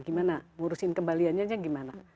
gimana ngurusin kembaliannya gimana